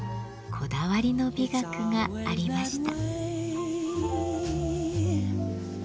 こだわりの美学がありました。